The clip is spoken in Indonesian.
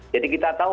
jadi kita tahu